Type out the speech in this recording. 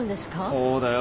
そうだよ。